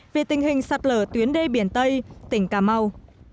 về tình hình sạt lở tuyến đê biển tây tỉnh cà mau